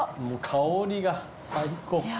もう香りが最高。